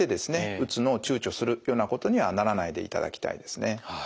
打つのを躊躇するようなことにはならないでいただきたいですね。